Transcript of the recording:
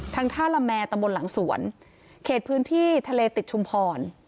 ท่าละแมร์ตำบลหลังสวนเขตพื้นที่ทะเลติดชุมพร